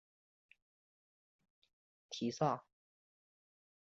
提萨斐尼声称他亲自杀死了叛逆。